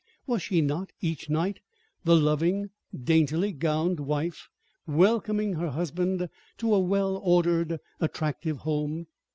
Was she not each night the loving, daintily gowned wife welcoming her husband to a well ordered, attractive home?